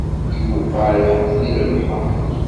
Yuqa lḥut di lebḥeṛ.